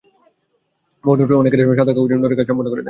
ভুয়া নোটারিরা অনেক ক্ষেত্রে সাদা কাগজে নোটারির কাজ সম্পন্ন করে দেয়।